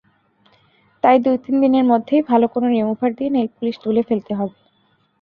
তাই দু-তিন দিনের মধ্যেই ভালো কোনো রিমুভার দিয়ে নেইলপলিশ তুলে ফেলতে হবে।